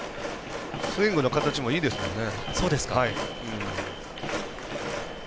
スイングの形もいいですもんね。